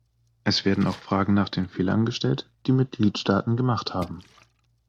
Es werden auch Fragen nach den Fehlern gestellt, die Mitgliedstaaten gemacht haben.